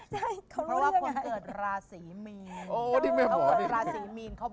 เพราะว่าคนเกิดราสีมีน